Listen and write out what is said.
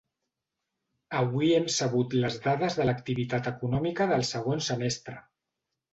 Avui hem sabut les dades de l’activitat econòmica del segon semestre.